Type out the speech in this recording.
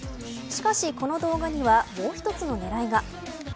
しかしこの動画にはもう一つの狙いが。